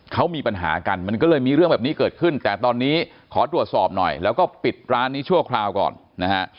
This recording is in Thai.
เขามีปัญหากันมันก็เลยมีเรื่องแบบนี้เกิดขึ้นแต่ตอนนี้ขอตรวจสอบหน่อยแล้วก็ปิดร้านนี้ชั่วคราวก่อนนะฮะ